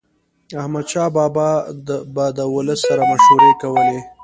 احمدشاه بابا به د ولس سره مشورې کولي.